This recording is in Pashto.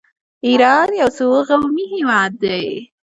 ایران یو څو قومي هیواد دی.